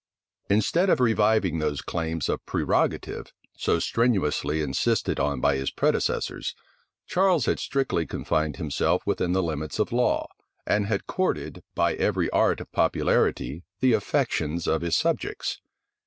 Instead of reviving those claims of prerogative, so strenuously insisted on by his predecessors, Charles had strictly confined himself within the limits of law, and had courted, by every art of popularity, the affections of his subjects.